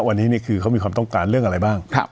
วันนี้นี่คือเขามีความต้องการเรื่องอะไรบ้าง